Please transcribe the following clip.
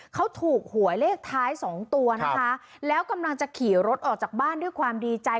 เขาถูกหวยเลขท้ายสองตัวนะคะแล้วกำลังจะขี่รถออกจากบ้านด้วยความดีใจ